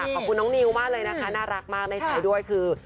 ขอบคุณน้องนิวมากเลยนะคะน่ารักมากได้ใช้ด้วยคือ